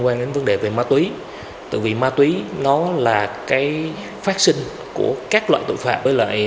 quan đến vấn đề về ma túy tại vì ma túy nó là cái phát sinh của các loại tội phạm với lại